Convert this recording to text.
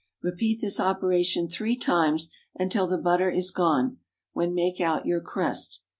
Repeat this operation three times, until the butter is gone, when make out your crust.